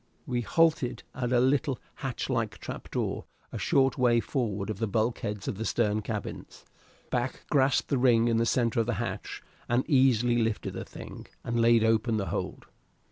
We halted at a little hatch like trap door a short way forward of the bulkheads of the stern cabins. Back grasped the ring in the center of the hatch, and easily lifted the thing, and laid open the hold.